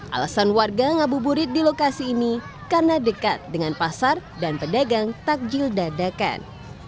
alasan warga ngabuburit di lokasi ini karena dekat dengan pasar dan pedagang takjil dadakan